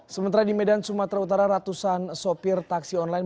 sementara di medan sumatera utara ratusan sopir taksi online